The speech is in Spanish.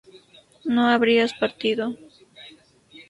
no habrías partido